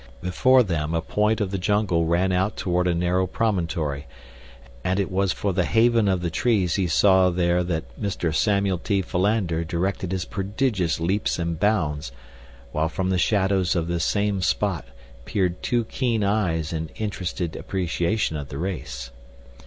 Before them a point of the jungle ran out toward a narrow promontory, and it was for the haven of the trees he saw there that Mr. Samuel T. Philander directed his prodigious leaps and bounds; while from the shadows of this same spot peered two keen eyes in interested appreciation of the race.